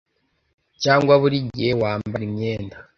cyangwa burigihe wambara imyenda,